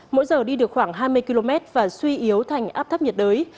mỗi giờ đi được khoảng hai mươi km và suy yếu thành áp thấp nhiệt đới